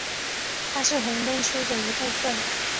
它是红灯区的一部分。